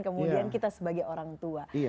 kemudian kita sebagai orang tua